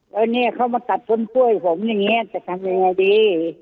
แล้วเนี่ยเขามาตัดต้นกล้วยผมอย่างนี้จะทำยังไงดี